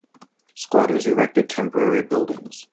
Squatters erected temporary buildings.